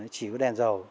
chỉ có đèn dầu